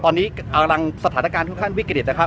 ตอนนี้อกลางสถานการณ์ค่อนข้างวิกฤตนะครับ